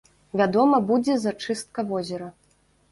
Вядома, будзе зачыстка возера.